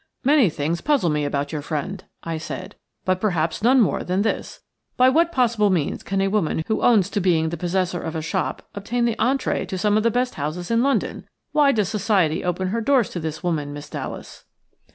"Many things puzzle me about your friend," I said, "but perhaps none more than this. By what possible means can a woman who owns to being the possessor of a shop obtain the entrée to some of the best houses in London? Why does Society open her doors to this woman, Miss Dallas?"